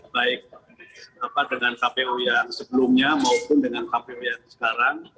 baik dengan kpu yang sebelumnya maupun dengan kpu yang sekarang